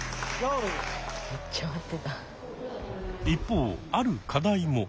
一方ある課題も。